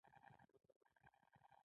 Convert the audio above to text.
خوړل د پاک زړه ښکارندویي ده